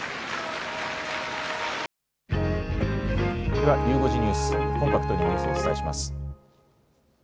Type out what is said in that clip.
ではゆう５時ニュース、コンパクトにニュースをお伝えします。